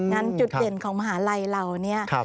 งั้นจุดเด่นของมหาลัยเรา